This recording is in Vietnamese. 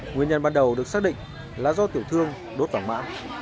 nguyên nhân ban đầu được xác định là do tiểu thương đốt vàng mã